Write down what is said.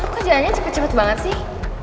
tuh jalannya cepet cepet banget sih